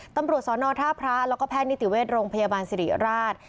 ตำรวจสอนอท่าพระแล้วก็แพทย์นิติเวชโรงพยาบาลสิริราช